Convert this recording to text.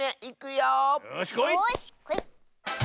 よしこい！